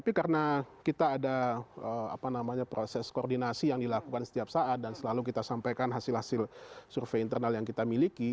tapi karena kita ada proses koordinasi yang dilakukan setiap saat dan selalu kita sampaikan hasil hasil survei internal yang kita miliki